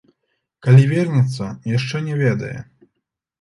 Калі вернецца, яшчэ не ведае.